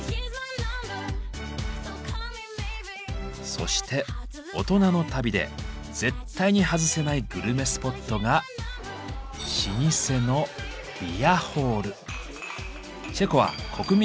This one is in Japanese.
そして大人の旅で絶対に外せないグルメスポットが老舗のビアホール。